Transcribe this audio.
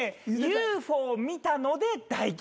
ＵＦＯ見たので大吉。